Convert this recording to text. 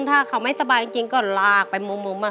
ถ้าเขาไม่สบายจริงก็ลากไปมุม